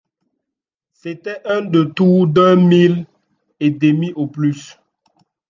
C’était un détour d’un mille et demi au plus